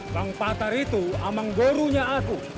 bang patar itu amang gorunya aku